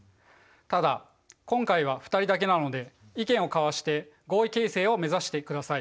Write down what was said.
ただ今回は２人だけなので意見を交わして合意形成を目指してください。